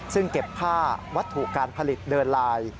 ซึ่งเก็บผ้าวัตถุการผลิตเดินลาย